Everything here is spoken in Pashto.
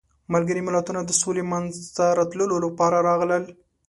ملګري ملتونه د سولې منځته راتلو لپاره راغلل.